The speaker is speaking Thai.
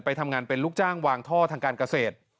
ทำงานเป็นลูกจ้างวางท่อทางการเกษตร